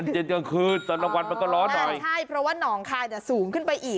ใช่เพราะว่าน้องค่ายจะสูงขึ้นไปอีก